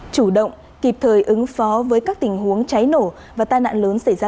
chủ động kịp thời ứng phó với các tình huống cháy nổ và tai nạn lớn xảy ra